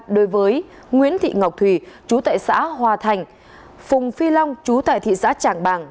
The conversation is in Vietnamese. đối với nguyễn thị ngọc thùy chú tại xã hòa thành phùng phi long chú tại thị xã trảng bàng